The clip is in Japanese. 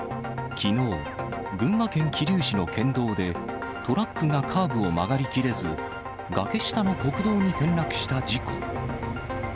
きのう、群馬県桐生市の県道で、トラックがカーブを曲がりきれず、崖下の国道に転落した事故。